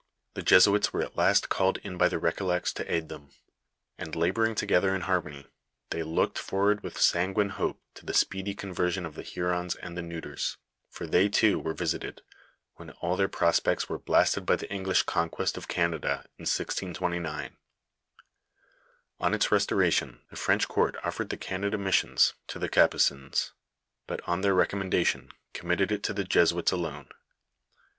Tlie Jesuits were at last called in by the recollects to aid them, and laboring together in harmony, they looked forward with sanguine hope to the speedy conversion of the Hurons and Keuters, for they, too, were visited, when all their prospects were blasted by the English conquest of Canada, in 1629. On its restoration the French court offered the Canada mis sions to the Capucins, but, on their recommendatioii, commit ted it to the Jesuits alone.